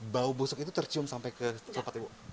bau busuk itu tercium sampai ke tempat ibu